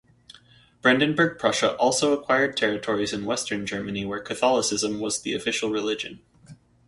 Brandenburg-Prussia also acquired territories in western Germany where Catholicism was the official religion.